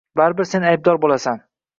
Baribir sen aybdor bo‘lasan.